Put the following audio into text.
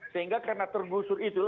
sehingga karena tergusur itu